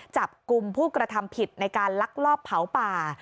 จับกลุ่มผู้กระทำผิดในการลักลอบเผาป่า